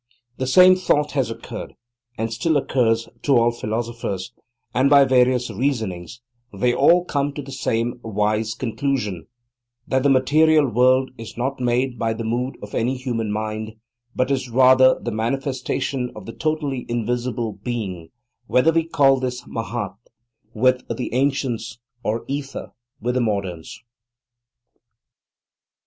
The same thought has occurred, and still occurs, to all philosophers; and, by various reasonings, they all come to the same wise conclusion; that the material world is not made by the mood of any human mind, but is rather the manifestation of the totality of invisible Being, whether we call this Mahat, with the ancients, or Ether, with the moderns.